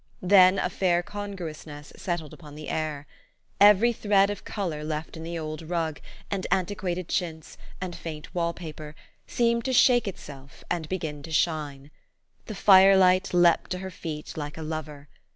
Then a fair congruous ness settled upon the air. Every thread of color left in the old rug, and antiquated chintz, and faint wall paper, seemed to shake itself, and begin to shine. The firelight leaped to her feet like a lover.